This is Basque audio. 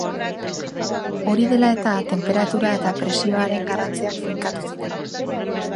Hori dela eta, tenperatura eta presioaren garrantziak finkatu ziren.